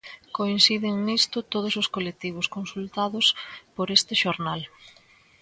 Coinciden nisto todos os colectivos consultados por este xornal.